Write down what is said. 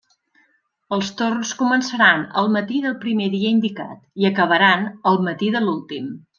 Els torns començaran el matí del primer dia indicat i acabaran el matí de l'últim.